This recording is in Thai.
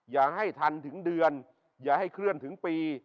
อย่าให้ทันถึงเดือนอย่าให้เคลื่อนถึงปี